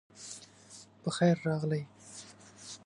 پخير راغلئ